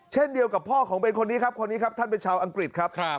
เช่นเดียวกับพ่อของเบนคนนี้ครับคนนี้ครับท่านเป็นชาวอังกฤษครับ